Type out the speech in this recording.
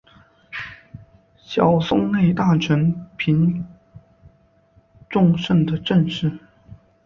小松内大臣平重盛的正室。